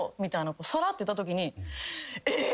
さらって言ったときに「えぇ！？」